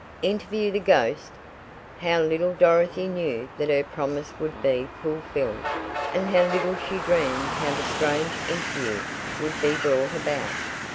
Interview the ghost? How little Dorothy knew that her promise would be fulfilled, and how little she dreamed how the strange interview would be brought about!